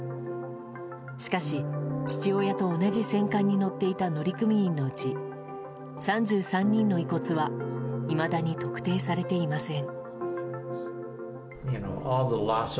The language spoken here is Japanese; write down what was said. しかし、父親と同じ戦艦に乗っていた乗組員のうち３３人の遺骨はいまだに特定されていません。